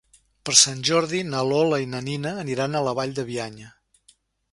Per Sant Jordi na Lola i na Nina aniran a la Vall de Bianya.